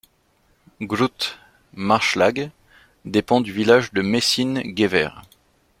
Groot Maarslag dépend du village de Mensingeweer.